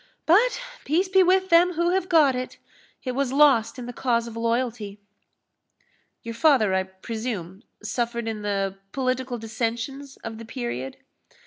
But peace be with them who have got it! it was lost in the cause of loyalty." "Your father, I presume, suffered in the political dissensions of the period?"